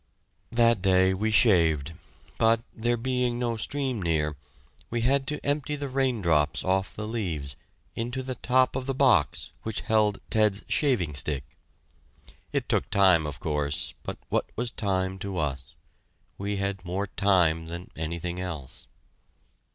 That day we shaved, but, there being no stream near, we had to empty the rain drops off the leaves into the top of the box which held Ted's shaving stick. It took time, of course, but what was time to us? We had more time than anything else.